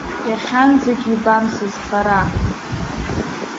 Иахьанӡагь ибам сызхара.